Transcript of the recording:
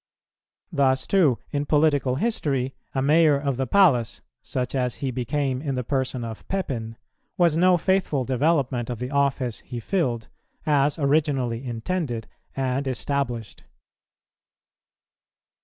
Thus, too, in political history, a mayor of the palace, such as he became in the person of Pepin, was no faithful development of the office he filled, as originally intended and established.